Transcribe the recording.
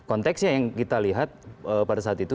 konteksnya yang kita lihat pada saat itu